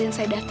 eh duh itu